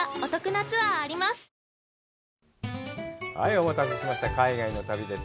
お待たせしました「海外の旅」です